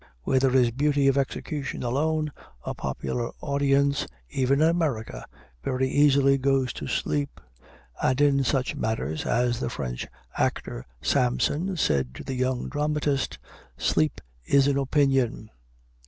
Where there is beauty of execution alone, a popular audience, even in America, very easily goes to sleep. And in such matters, as the French actor, Samson, said to the young dramatist, "sleep is an opinion."